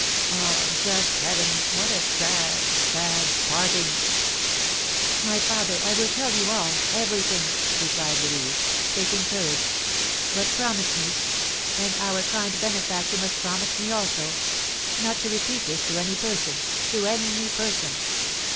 Ah, just Heaven, what a sad, sad parting!" "My father, I will tell you all, everything," replied Louise, taking courage; "but promise me and our kind benefactor must promise me also not to repeat this to any person, to any person.